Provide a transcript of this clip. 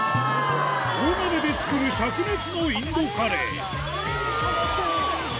大鍋で作る灼熱のインドカレー辛そう！